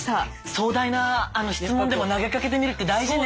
壮大な質問でも投げかけてみるって大事ね。